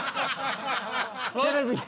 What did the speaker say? テレビで。